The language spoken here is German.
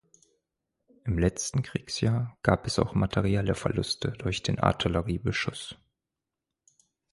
Im letzten Kriegsjahr gab es auch materielle Verluste durch den Artilleriebeschuss.